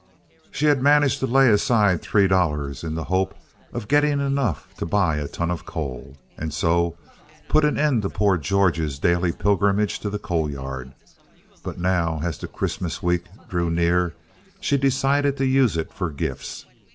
She had managed to lay aside three dollars in the hope of getting enough to buy a ton of coal, and so put an end to poor George's daily pilgrimage to the coal yard, but now as the Christmas week drew near she decided to use it for gifts.